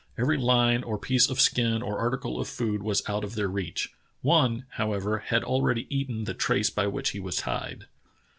Every line or piece of skin or article of food was out of their reach. One, however, had already eaten the trace by which he was tied."